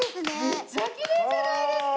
めっちゃきれいじゃないですか！